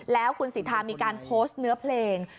แล้วคุณสิทธามีการโพสต์เนื้อเพลง